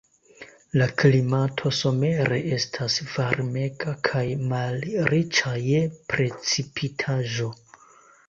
La klimato somere estas varmega kaj malriĉa je precipitaĵo.